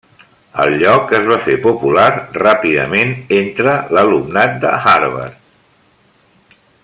El lloc es va fer popular ràpidament entre l'alumnat de Harvard.